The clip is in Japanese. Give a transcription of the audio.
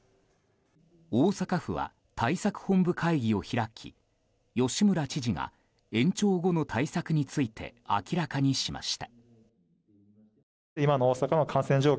大阪府は対策本部会議を開き吉村知事が延長後の対策について明らかにしました。